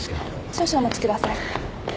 少々お待ちください。